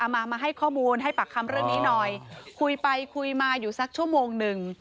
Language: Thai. มามาให้ข้อมูลให้ปากคำเรื่องนี้หน่อยคุยไปคุยมาอยู่สักชั่วโมงหนึ่ง